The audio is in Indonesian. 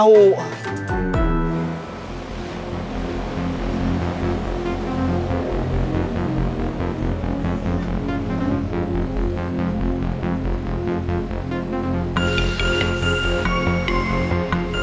aku mau ke sana